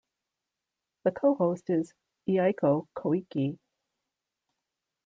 The co-host is Eiko Koike.